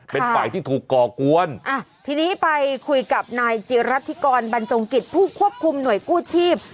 เป็นฝ่ายที่ถูกก่อกวนอ่ะทีนี้ไปคุยกับนายจิรัฐธิกรบรรจงกิจผู้ควบคุมหน่วยกู้ชีพ